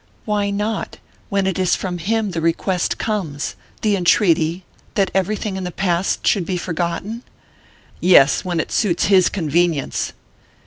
"Why not? When it is from him the request comes the entreaty that everything in the past should be forgotten?" "Yes when it suits his convenience!"